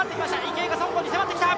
池江が香港に迫ってきた！